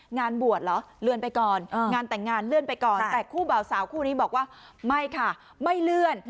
งานบวชเหรอเลื่อนไปก่อนงานแต่งงานเลื่อนไปก่อนแต่คู่บ่าวสาวคู่นี้บอกว่าไม่ค่ะไม่เลื่อน